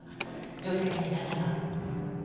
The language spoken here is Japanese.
女性に何が。